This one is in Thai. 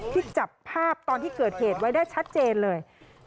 ที่จับภาพตอนที่เกิดเหตุไว้ได้ชัดเจนเลย